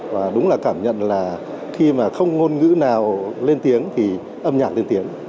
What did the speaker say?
và đúng là cảm nhận là khi mà không ngôn ngữ nào lên tiếng thì âm nhạc lên tiếng